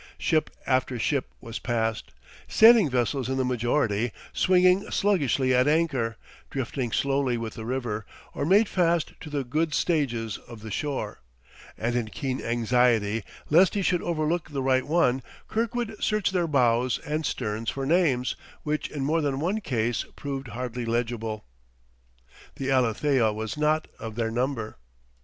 Ship after ship was passed, sailing vessels in the majority, swinging sluggishly at anchor, drifting slowly with the river, or made fast to the goods stages of the shore; and in keen anxiety lest he should overlook the right one, Kirkwood searched their bows and sterns for names, which in more than one case proved hardly legible. The Alethea was not of their number.